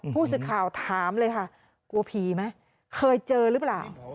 ผู้สื่อข่าวถามเลยค่ะกลัวผีไหมเคยเจอหรือเปล่า